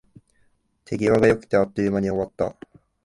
手際が良くて、あっという間に終わった